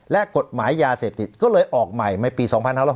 และกฎหมายยาเสพติดก็เลยออกใหม่ในปี๒๕๖๐